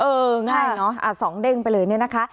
ง่ายเนอะสองเด้งไปเลยเนี่ยนะคะ